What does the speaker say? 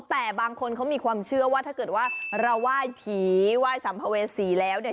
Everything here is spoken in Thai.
แต่บางคนเขามีความเชื่อว่าถ้าเกิดว่าเราไหว้ผีไหว้สัมภเวษีแล้วเนี่ย